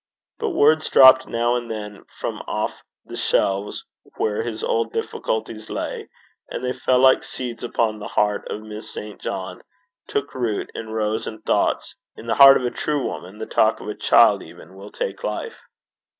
But words dropped now and then from off the shelves where his old difficulties lay, and they fell like seeds upon the heart of Miss St. John, took root, and rose in thoughts: in the heart of a true woman the talk of a child even will take life.